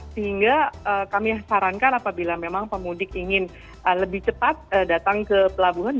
sehingga kami sarankan apabila memang pemudik ingin lebih cepat datang ke pelabuhan